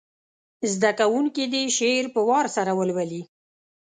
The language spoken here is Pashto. زده کوونکي دې شعر په وار سره ولولي.